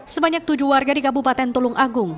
sebanyak tujuh warga di kabupaten tulung agung